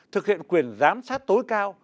thực hiện quyền giám sát tối cao